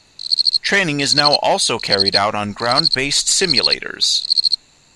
Training is now also carried out on ground-based simulators.